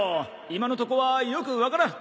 今のとこはよく判らん！」